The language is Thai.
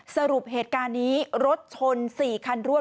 สรุปเหตุการณ์นี้รถชน๔คันรวด